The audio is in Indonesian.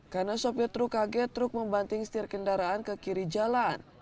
karena sopir truk kaget truk membanting setir kendaraan ke kiri jalan